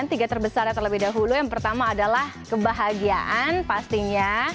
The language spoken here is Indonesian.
tiga terbesarnya terlebih dahulu yang pertama adalah kebahagiaan pastinya